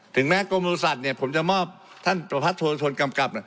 แม้กรมบริษัทผมจะมอบท่านประพัทธวนชนกำกับ